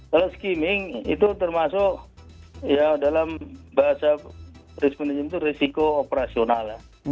kalau skimming itu termasuk ya dalam bahasa risk management itu risiko operasional ya